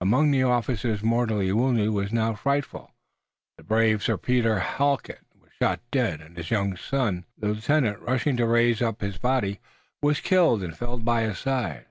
Among the officers the mortality was now frightful. The brave Sir Peter Halket was shot dead, and his young son, the lieutenant, rushing to raise up his body, was killed and fell by his side.